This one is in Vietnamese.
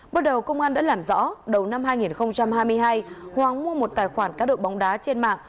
bước đầu công an đã làm rõ đầu năm hai nghìn hai mươi hai hoàng mua một tài khoản cá độ bóng đá trên mạng